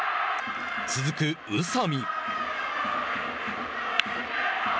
続く宇佐見。